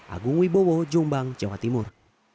agung wibowo jombang jawa timur